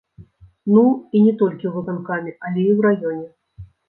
Ну, і не толькі ў выканкаме, але і ў раёне.